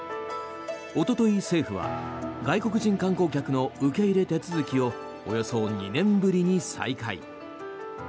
おととい、政府は外国人観光客の受け入れ手続きをおよそ２年ぶりに再開。